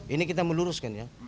ini kita meluruskan ya